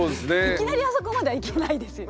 いきなりあそこまではいけないです。